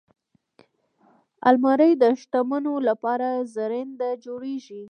الماري د شتمنو لپاره زرینده جوړیږي